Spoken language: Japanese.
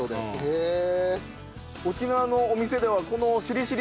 へえ。